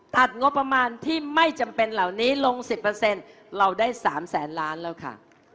งบประมาณที่ไม่จำเป็นเหล่านี้ลง๑๐เราได้๓แสนล้านแล้วค่ะ